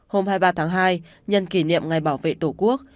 hôm hai mươi ba tháng hai nhân kỷ niệm ngày bảo vệ tổ quốc